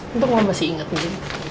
untung mama masih inget nih